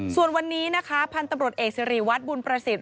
ส่วนวันนี้นะคะพันธุ์ตำรวจเอกสิริวัตรบุญประสิทธิ